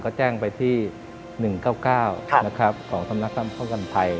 ก็แจ้งไปที่๑๙๙ของสำนักท่ำพ่อกันไภ